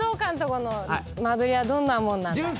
この間取りはどんなもんなんだい？